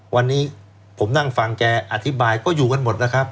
วันนี้ผมนั่งฟังแกอธิบายก็อยู่กันหมดนะครับ